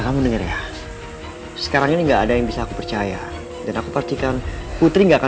kamu tuh keras kepala tau gak